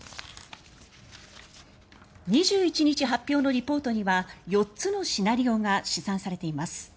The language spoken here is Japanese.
２１日発表のリポートには４つのシナリオが試算されています。